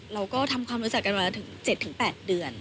เราก็ทำความรู้จักกันมาถึง๗๘เดือน